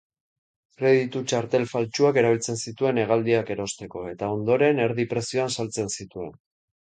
Kreditu-txartel faltsuak erabiltzen zituen hegaldiak erosteko, eta ondoren erdi prezioan saltzen zituen.